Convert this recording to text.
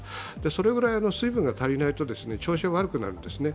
それぐらい水分が足りないと調子が悪くなるんですね。